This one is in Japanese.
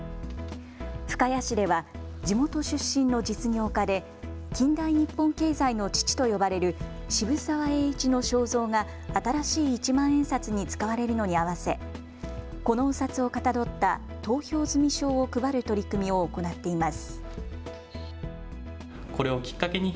深谷市では地元出身の実業家で近代日本経済の父と呼ばれる渋沢栄一の肖像が新しい一万円札に使われるのに合わせこのお札をかたどった投票済証を配る取り組みを行っています。